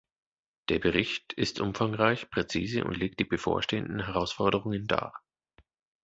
Der Bericht ist umfangreich, präzise und legt die bevorstehenden Herausforderungen dar.